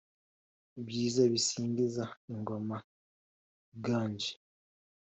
Ibyiza bisingiza ingoma iganje